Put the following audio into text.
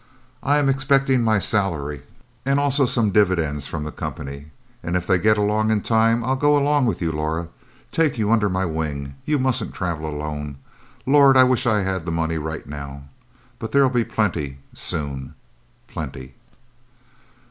I'm expecting my salary, and also some dividends from the company, and if they get along in time, I'll go along with you Laura take you under my wing you mustn't travel alone. Lord I wish I had the money right now. But there'll be plenty soon plenty."